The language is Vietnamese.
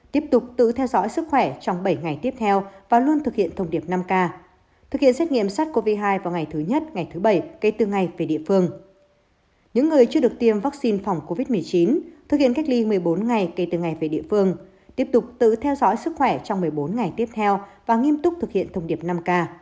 tiếp tục tự theo dõi sức khỏe trong một mươi bốn ngày tiếp theo và nghiêm túc thực hiện thông điệp năm k